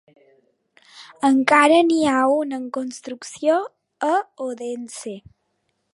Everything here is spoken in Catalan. Encara n'hi ha un en construcció a Odense.